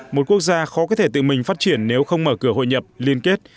một quốc gia khó có thể tự mình phát triển nếu không mở cửa hội nhập liên kết